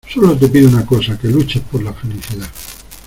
solo te pido una cosa, que luches por la felicidad